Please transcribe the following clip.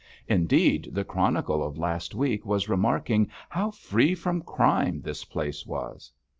Indeed, the Chronicle of last week was remarking how free from crime this place was.'